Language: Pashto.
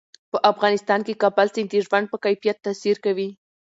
په افغانستان کې کابل سیند د ژوند په کیفیت تاثیر کوي.